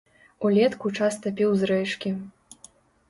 Улетку часта піў з рэчкі.